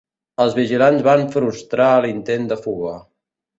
Els vigilants van frustrar l'intent de fuga.